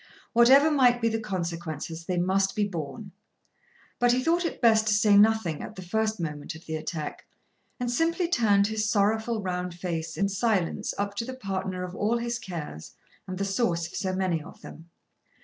Whatever might be the consequences, they must be borne. But he thought it best to say nothing at the first moment of the attack, and simply turned his sorrowful round face in silence up to the partner of all his cares and the source of so many of them.